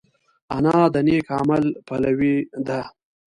انا د نېک عمل پلوي ده